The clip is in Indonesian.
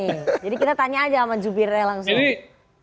jadi kita tanya aja sama jubire langsung